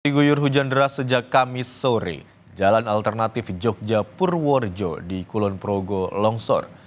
diguyur hujan deras sejak kamis sore jalan alternatif jogja purworejo di kulon progo longsor